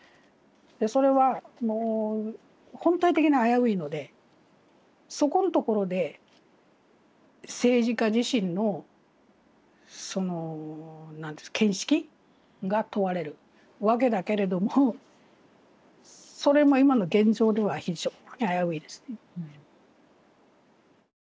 それは本体的に危ういのでそこのところで政治家自身の見識が問われるわけだけれどもそれも今の現状では非常に危ういですね。